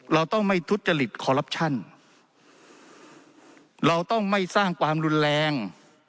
เราต้องไม่ทุจริตเราต้องไม่สร้างความรุนแรง